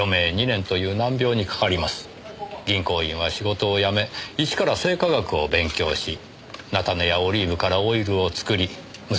銀行員は仕事を辞め一から生化学を勉強し菜種やオリーブからオイルを作り息子さんに与えます。